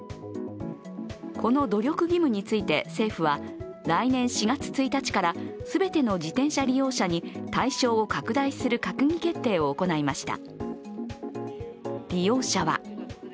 この努力義務について政府は、来年４月１日から全ての自転車利用者に対象を拡大する閣議決定を行いました。